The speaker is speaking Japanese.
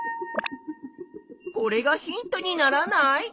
これがヒントにならない？